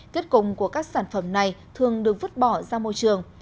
kết cùng của các sản phẩm này thường được vứt bỏ ra môi trường